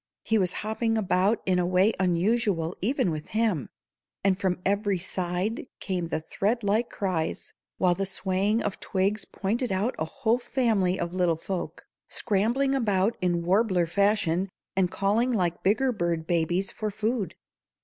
He was hopping about in a way unusual even with him, and from every side came the thread like cries, while the swaying of twigs pointed out a whole family of little folk, scrambling about in warbler fashion and calling like bigger bird babies for food.